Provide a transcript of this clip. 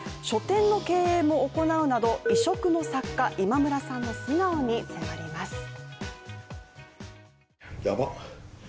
書店の経営も行うなど、異色の作家、今村さんの素顔に迫ります。